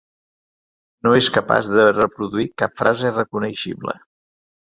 No és capaç de reproduir cap frase reconeixible.